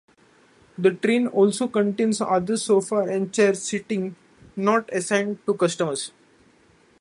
The train also contains other sofa and chair seating not assigned to customers.